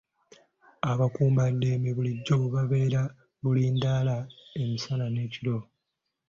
Abakuumaddembe bulijjo babeera bulindaala emisana n'ekiro.